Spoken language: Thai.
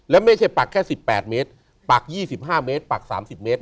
และไม่ใช่ปักแค่๑๘เมตรปัก๒๕เมตรปัก๓๐เมตร